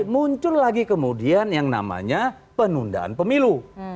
muncul lagi kemudian yang namanya penundaan pemilu